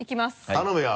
頼むよ